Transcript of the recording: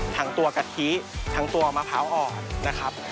ทั้งตัวกะทิทั้งตัวมะพร้าวอ่อนนะครับ